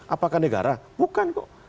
apakah negara bukan kok